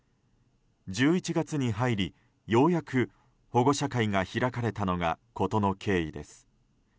１１月に入りようやく保護者会が開かれたのが事の経緯です。